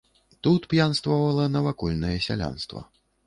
Тут п'янствавала навакольнае сялянства.